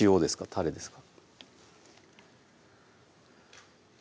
たれですか？